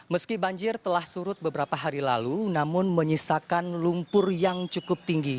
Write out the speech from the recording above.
meski banjir telah surut beberapa hari lalu namun menyisakan lumpur yang cukup tinggi